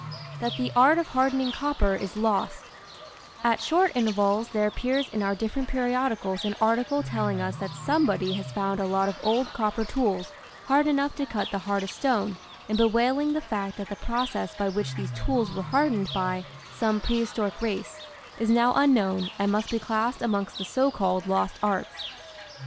THAT THE ART OF HARDENING COPPER IS LOST T short intervals there appears in our different periodicals an article telling us that somebody has found a lot of old copper tools hard enough to cut the hardest stone and bewailing the fact that the process by which these tools were hardened by some prehistoric race is now unknown and must be classed amongst the so called "lost arts."